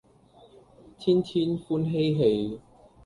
天天歡嬉戲